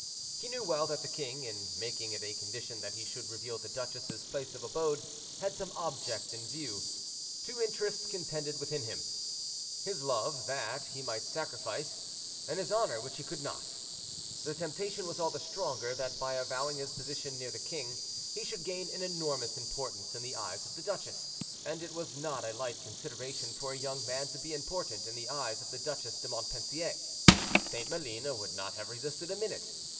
He knew well that the king, in making it a condition that he should reveal the duchess's place of abode, had some object in view. Two interests contended within him—his love, that he might sacrifice; and his honor, which he could not. The temptation was all the stronger, that by avowing his position near the king, he should gain an enormous importance in the eyes of the duchess; and it was not a light consideration for a young man to be important in the eyes of the Duchesse de Montpensier. St. Maline would not have resisted a minute.